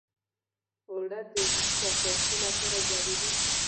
اوړه د چپاتي لپاره ضروري دي